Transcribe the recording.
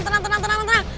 tenang tenang tenang